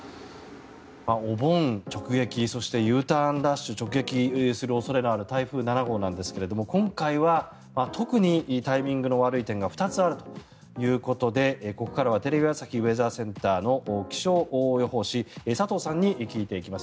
お盆直撃そして、Ｕターンラッシュを直撃する恐れのある台風７号なんですが今回は特にタイミングの悪い点が２つあるということでここからはテレビ朝日ウェザーセンターの気象予報士佐藤さんに聞いていきます。